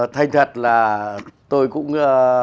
thành thật là tôi cũng